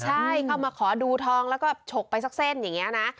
ใช่เข้ามาขอดูทองแล้วก็ฉกไปสักเส้นอย่างนี้นะ